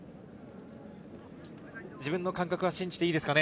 自分の感覚は信じていいですかね。